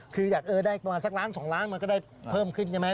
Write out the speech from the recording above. คืออยากได้ประมาณ๑๒ล้านบาทมาก็ได้เพิ่มขึ้นอย่างไร